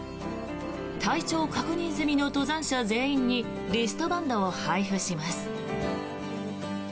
体調確認済みの登山者全員にリストバンドを配布します。